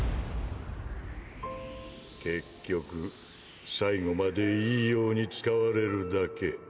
結局最後までいいように使われるだけ。